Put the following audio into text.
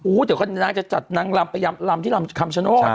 เดี๋ยวนางจะจัดนางลำไปลำที่ลำคำชโนธ